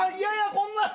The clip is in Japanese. こんなん！